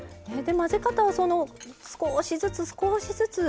混ぜ方はその少しずつ少しずつ。